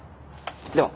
では。